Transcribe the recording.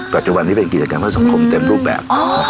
ปัจจุบันนี้เป็นกิจกรรมเพื่อสังคมเต็มรูปแบบ